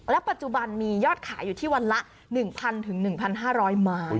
ปัจจุบันมียอดขายอยู่ที่วันละ๑๐๐๑๕๐๐ไม้